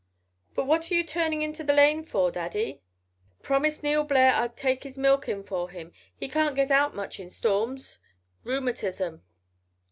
But what are you turning into the lane for, Daddy?" "Promised Neil Blair I'd take his milk in for him. He can't get out much in storms—rheumatism."